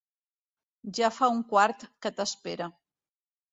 Ja fa un quart que t'espera.